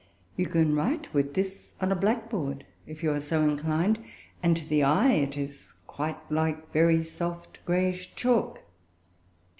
You can write with this on a blackboard, if you are so inclined; and, to the eye, it is quite like very soft, grayish chalk.